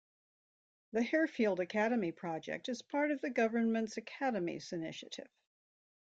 The Harefield Academy project is part of the Government's Academies initiative.